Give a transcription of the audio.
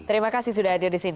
terima kasih sudah hadir di sini